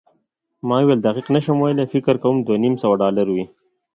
ما وویل، دقیق نه شم ویلای، فکر کوم دوه نیم سوه ډالره وي.